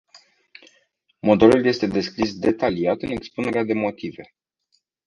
Modelul este descris detaliat în expunerea de motive.